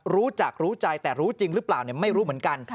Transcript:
รู้จักรู้ใจแต่รู้จริงหรือเปล่าไม่รู้เหมือนกัน